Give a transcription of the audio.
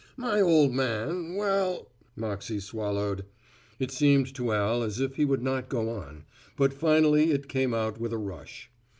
"My old man, well " Moxey swallowed. It seemed to Al as if he would not go on, but finally it came out with a rush.